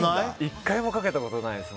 １回もかけたことないです